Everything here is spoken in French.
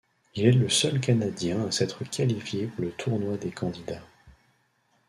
Il est le seul Canadien à s'être qualifié pour le tournoi des candidats.